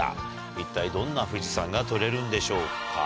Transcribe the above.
一体どんな富士山が撮れるんでしょうか？